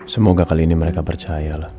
semoga kali ini mereka percaya lah